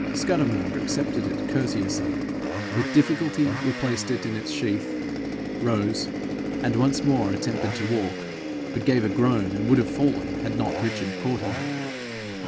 Scudamore accepted it courteously, with difficulty replaced it in its sheath, rose, and once more attempted to walk, but gave a groan, and would have fallen had not Richard caught him.